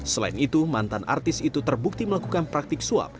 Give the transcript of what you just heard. selain itu mantan artis itu terbukti melakukan praktikasi